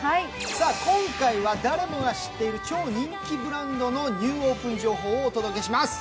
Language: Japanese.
今回は誰もが知っている超人気ブランドのニューポープン情報をお届けします。